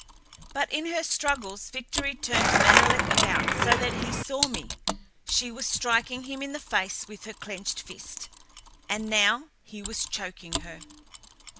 But in her struggles, Victory turned Menelek about so that he saw me. She was striking him in the face with her clenched fist, and now he was choking her.